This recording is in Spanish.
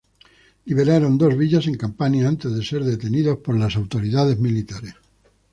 Liberaron dos villas en Campania antes de ser detenidos por las autoridades militares.